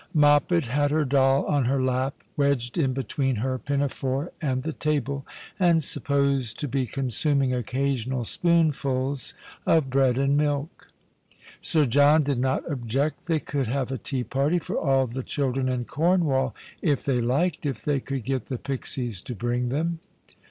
Moppet had her doll on her lap, wedged in between her pinafore and the table, and supposed to be consuming occasional spoonfuls of bread and milk. Sir John did not object. They could have a tea party tor all the children in Cornwall if they liked, if they could get the pixies to bring them.